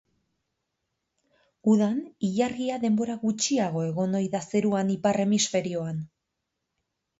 Udan, ilargia denbora gutxiago egon ohi da zeruan ipar hemisferioan.